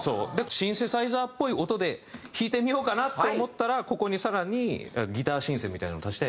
シンセサイザーっぽい音で弾いてみようかなって思ったらここに更にギターシンセみたいなのを足して。